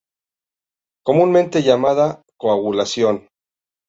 Comúnmente llamada coagulación.